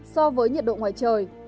so với nhiệt độ ngoài trời